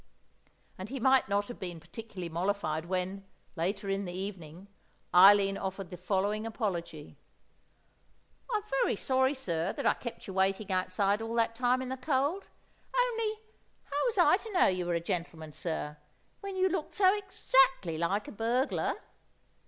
And he might not have been particularly mollified when, later in the evening, Eileen offered the following apology:— "I'm very sorry, sir, that I kept you waiting outside all that time in the cold; only how was I to know you were a gentleman, sir, when you looked so exactly like a burglar?"